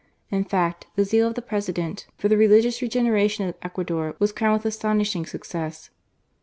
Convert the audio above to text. In fact, the zeal of the President for the religious regeneration of Ecuador was crowned with astonishing success.